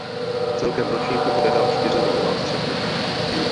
Celkem v ročníku odehrál čtyři ligová střetnutí.